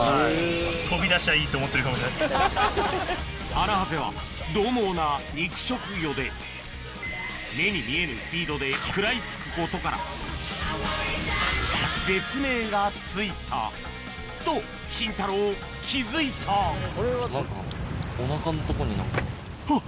アナハゼは獰猛な目に見えぬスピードで食らいつくことから別名が付いたとシンタロー気付いたあっ